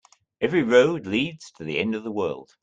Every road leads to the end of the world.